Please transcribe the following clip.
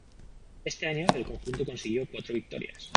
Ese año el conjunto consiguió cuatro victorias.